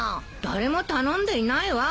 誰も頼んでいないわ。